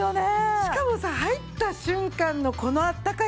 しかもさ入った瞬間のこのあったかい事。